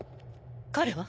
彼は？